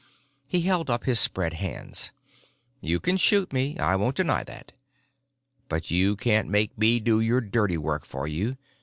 He held up his spread hands. "You can shoot me, I won't deny that. But you can't make me do your dirty work for you.